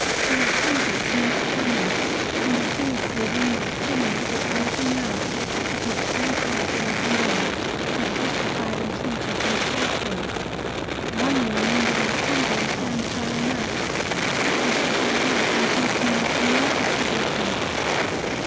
There are hundreds more to come in, and the seriously wounded generally get brought in last, because they can't get up and run, but have to hide in trenches and shell holes. One man, wounded on Sunday and found on Friday night, had kept himself alive on dead men's emergency rations.